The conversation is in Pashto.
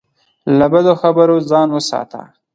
له بدو خبرو ځان وساته.